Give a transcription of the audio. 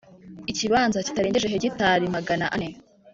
Ikibanza kitarengeje hegitari magana ane